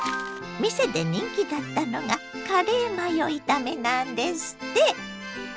店で人気だったのがカレーマヨ炒めなんですって。